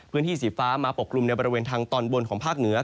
พื้นที่สีฟ้ามาปกกลุ่มในบริเวณทางตอนบนของภาคเหนือ